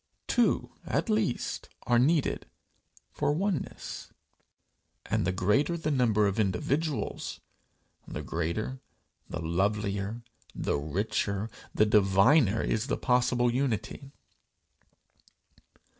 Two at least are needed for oneness; and the greater the number of individuals, the greater, the lovelier, the richer, the diviner is the possible unity.